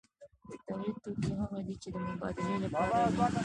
د تولید توکي هغه دي چې د مبادلې لپاره وي.